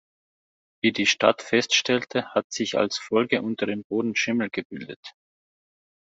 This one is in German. Wie die Stadt feststellte, hat sich als Folge unter dem Boden Schimmel gebildet.